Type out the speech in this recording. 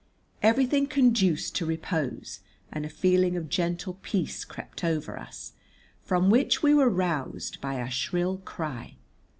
Everything conduced to repose, and a feeling of gentle peace crept over us, from which we were roused by a shrill cry.